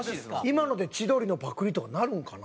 今ので千鳥のパクりとかなるんかな？